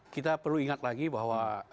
kita perlu ingat lagi bahwa